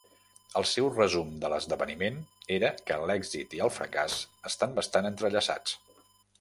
El seu resum de l'esdeveniment era que l'èxit i el fracàs estan bastant entrellaçats.